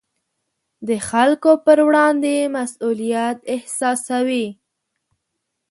د خلکو پر وړاندې مسوولیت احساسوي.